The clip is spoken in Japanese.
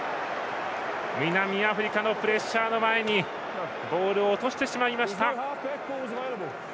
南アフリカのプレッシャーの前にボールを落としてしまいました。